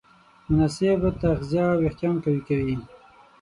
مناسب تغذیه وېښتيان قوي کوي.